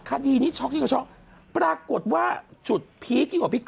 คดีนี้ช็อกยิ่งกว่าช็อกปรากฏว่าจุดพีคยิ่งกว่าพีค